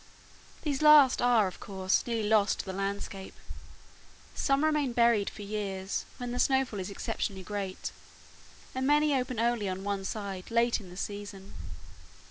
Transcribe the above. These last are, of course, nearly lost to the landscape. Some remain buried for years, when the snowfall is exceptionally great, and many open only on one side late in the season.